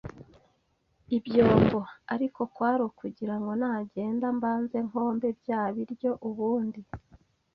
ibyombo ariko kwari ukugirango nagenda mbanze nkombe bya biryo ubundi